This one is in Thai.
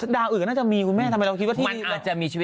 ดาวอื่อน่าจะมีที่มันอาจจะ